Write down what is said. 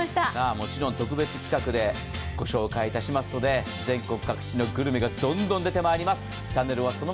もちろん特別企画でご紹介しますので全国各地のグルメがどんどん出て参ります。